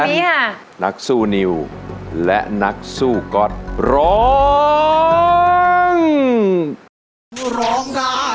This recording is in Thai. นั่นนักสู้นิวและนักสู้กอดร้อง